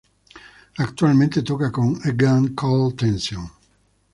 Actualmente toca con A Gun Called Tension.